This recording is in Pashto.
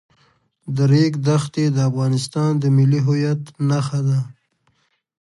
د ریګ دښتې د افغانستان د ملي هویت نښه ده.